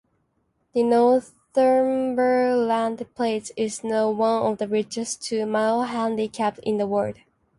The Northumberland Plate is now one of the richest two-mile handicaps in the world.